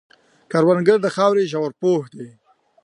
کروندګر د خاورې ژور پوه دی